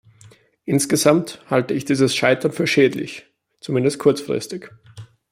Insgesamt halte ich dieses Scheitern für schädlich, zumindest kurzfristig.